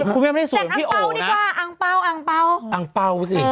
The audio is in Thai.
คุณแม่ไม่ได้สวยเหมือนพี่โอ๋นะอังเป้าจากอังเป้าดีกว่าอังเป้า